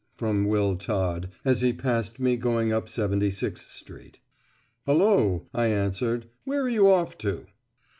from Will Todd, as he passed me going up 76 Street. "Hullo," I answered, "where are you off to?"